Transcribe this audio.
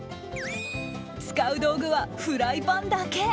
使う道具はフライパンだけ。